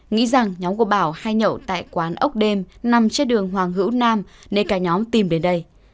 nghĩ rằng nhóm của bảo hay nhậu tại quán ốc đêm nằm trên đường hoàng hữu nam nên cả nhóm tìm đến đây